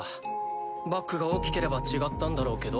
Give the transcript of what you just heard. バックが大きければ違ったんだろうけど。